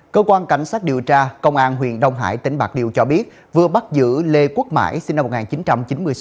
cơ quan cảnh sát điều tra công an huyện đông hải tỉnh bạc liêu cho biết vừa bắt giữ lê quốc mãi sinh năm một nghìn chín trăm chín mươi sáu